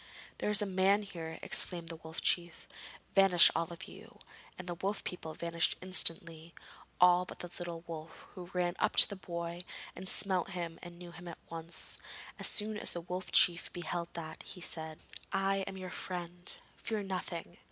'There is a man here,' exclaimed the Wolf Chief. 'Vanish all of you!' and the wolf people vanished instantly, all but the little wolf, who ran up to the boy and smelt him and knew him at once. As soon as the Wolf Chief beheld that, he said: 'I am your friend; fear nothing.